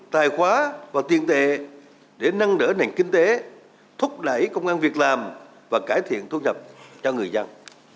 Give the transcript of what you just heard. tài khoá và tiền tệ để nâng đỡ nền kinh tế thúc đẩy công an việc làm và cải thiện thu nhập cho người dân